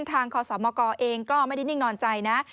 คศมกเองก็ไม่ได้นิ่งนอนใจนะ